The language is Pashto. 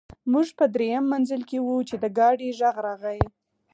موږ په درېیم منزل کې وو چې د ګاډي غږ راغی